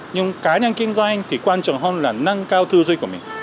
nhưng cái năng kinh doanh thì quan trọng hơn là năng cao thư duyên của mình